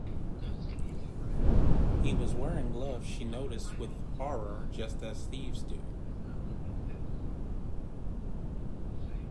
He was wearing gloves, she noticed with horror, just as thieves do.